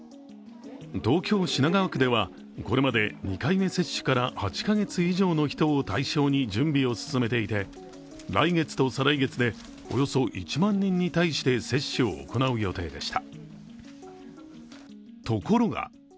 東京・品川区では、これまで２回目接種から８カ月以上の人を対象に準備を進めていて来月と再来月でおよそ１万人に対して接種を行う予定でした。